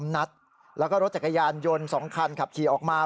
นัดแล้วก็รถจักรยานยนต์๒คันขับขี่ออกมา